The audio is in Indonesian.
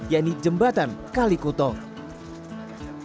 yaitu jembatan kalikutong